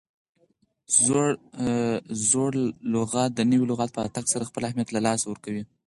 زوړ لغت د نوي لغت په راتګ سره خپل اهمیت له لاسه ورکوي.